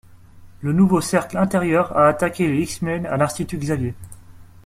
Le nouveau Cercle intérieur a attaqué les X-Men à l'Institut Xavier.